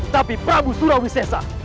tapi prabu surawi sesa